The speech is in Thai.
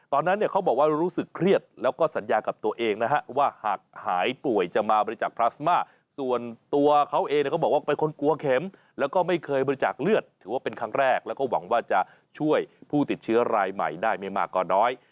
ตอนนั้นเนี่ยเขาบอกว่ารู้สึกเครียดแล้วก็สัญญากับตัวเองนะฮะว่าหากหายป่วยจะมาบริจาคพลาสมาส่วนตัวเขาเองเนี่ยเขาบอกว่าเป็นคนกลัวเข็มแล้วก็ไม่เคยบริจาคเลือดถือว่าเป็นครั้งแรกแล้วก็หวังว่าจะช่วยผู้ติดเชื้อรายใหม่ได้ไม่มากกว่าน้อย